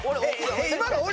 今の俺？